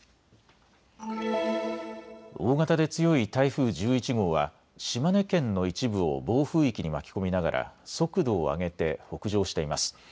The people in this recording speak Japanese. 大型で強い台風１１号は島根県の一部を暴風域に巻き込みながら速度を上げて北上しています。